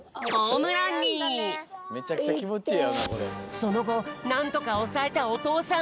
そのごなんとかおさえたおとうさん。